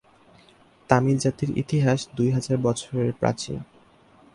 তামিল জাতির ইতিহাস দুই হাজার বছরের প্রাচীন।